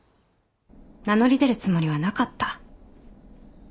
名乗り出るつもりはなかった。